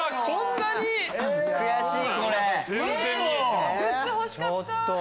⁉ウソ⁉グッズ欲しかった！